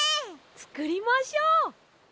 つくりましょう！